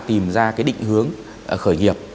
tìm ra định hướng khởi nghiệp